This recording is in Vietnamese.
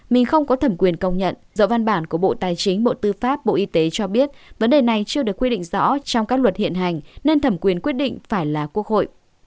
mình không có thẩm quyền công nhận do văn bản của bộ tài chính bộ tư pháp bộ y tế cho biết vấn đề này chưa được quy định rõ trong các luật hiện hành nên thẩm quyền quyết định phải là quốc hội